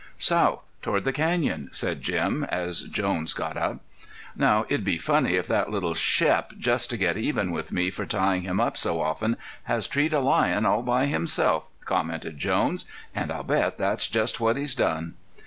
"South, toward the canyon," said Jim, as Jones got up. "Now, it'd be funny if that little Shep, just to get even with me for tying him up so often, has treed a lion all by himself," commented Jones. "And I'll bet that's just what he's done."